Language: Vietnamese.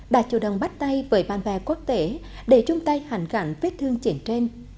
đã chủ động bắt tay với ban vệ quốc tế để chung tay hành cảnh vết thương chiến tranh